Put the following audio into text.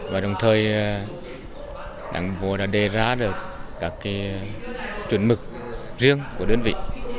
và đồng thời đảng bộ đã đề ra được các chuẩn mực riêng của đơn vị